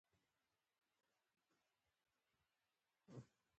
خو زه بیا د دومره خلکو د لیدو حوصله نه لرم.